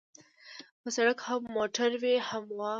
په سړک هم موټر وي هم غوا.